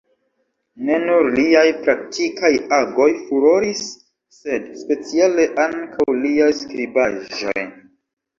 Ne nur liaj praktikaj agoj furoris, sed speciale ankaŭ liaj skribaĵoj.